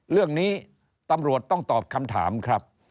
เรื่องนี้ตำรวจต้องตอบคำถามครับ